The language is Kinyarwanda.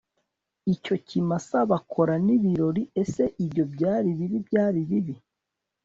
icyo kimasa bakora n ibirori Ese ibyo byari bibi Byari bibi